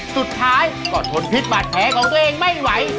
สุดท้ายก็ทนพิษบาดแผลของตัวเองไม่ไหว